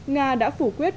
nga đã phủ quyết